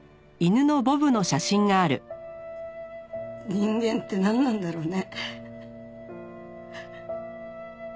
人間ってなんなんだろうね。